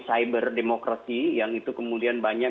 cyberdemokrasi yang itu kemudian banyak